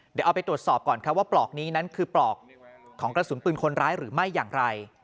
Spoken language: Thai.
เดี๋ยวเอาไปตรวจสอบก่อนครับว่าปลอกนี้นั้นคือปลอกของกระสุนปืนคนร้ายหรือไม่อย่างไร